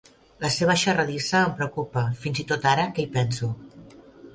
La seva xerradissa em preocupa fins i tot ara que hi penso.